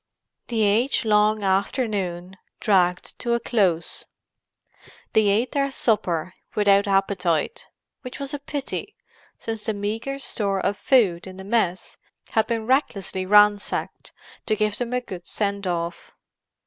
The age long afternoon dragged to a close. They ate their supper, without appetite—which was a pity, since the meagre store of food in the mess had been recklessly ransacked, to give them a good send off.